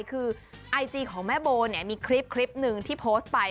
คือไอจีของแม่โบเนี่ยมีคลิปหนึ่งที่โพสต์ไป